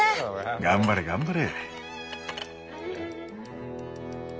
頑張れ頑張れ！